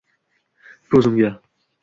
Ko’zimga».